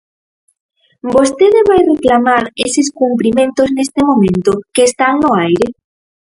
¿Vostede vai reclamar eses cumprimentos neste momento, que están no aire?